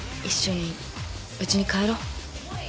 一緒にうちに帰ろう。